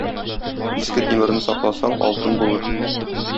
Иске тимерне сакласаң, алтын булыр.